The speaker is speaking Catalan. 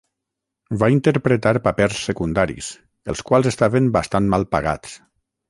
Va interpretar papers secundaris, els quals estaven bastant mal pagats.